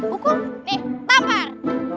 pukul nih pampar